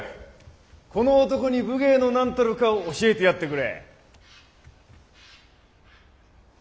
この男に武芸のなんたるかを教えてやってくれ！